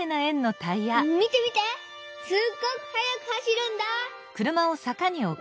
見て見てすっごくはやく走るんだ！」。